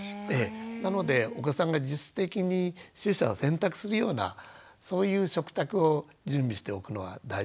なのでお子さんが自主的に取捨選択するようなそういう食卓を準備しておくのは大事かなというふうに思います。